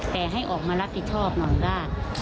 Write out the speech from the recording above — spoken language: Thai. แต่ให้ออกมารับผิดชอบหน่อยว่า